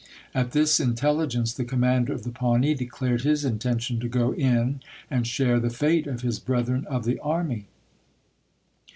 At this intelligence the commander of the Paivnee declared his intention to go in and "share the fate of his brethren of the army."